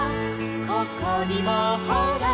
「ここにもほら」